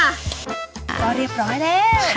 ก็เรียบร้อยแล้ว